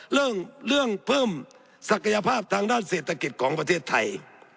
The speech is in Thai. เรื่องเรื่องเพิ่มศักยภาพทางด้านเศรษฐกิจของประเทศไทย